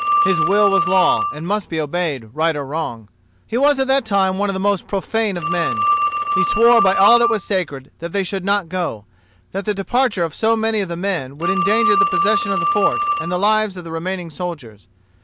His will was law, and must be obeyed, right or wrong. He was at that time one of the most profane of men. He swore by all that was sacred that they should not go; that the departure of so many of the men would endanger the possession of the fort and the lives of the remaining soldiers.